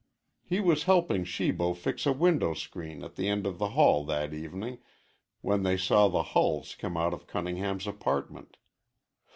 He was helping Shibo fix a window screen at the end of the hall that evening when they saw the Hulls come out of Cunningham's apartment.